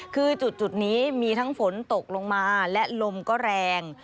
คือจุดนี้มีทั้งฝนตกลงมาและลมก็แรง